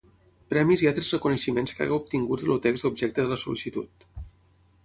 Premis i altres reconeixements que hagi obtingut el text objecte de la sol·licitud.